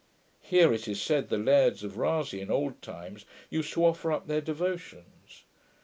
Here, it is said, the lairds of Rasay, in old times, used to offer up their devotions.